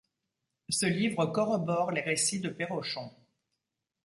Ce livre corrobore les récits de Pérochon.